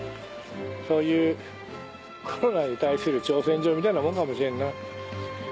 そういうコロナに対する挑戦状みたいなもんかもしれんな。